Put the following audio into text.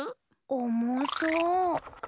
おもそう。